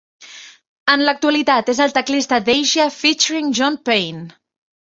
En l'actualitat és el teclista d'Asia Featuring John Payne.